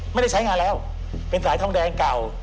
ไม่ได้ใช้งานแล้วเป็นสายทองแดงเก่า